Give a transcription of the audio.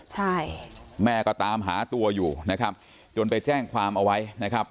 ใช่แม่ก็ตามหาตัวอยู่นะครับจนไปแจ้งความเอาไว้นะครับ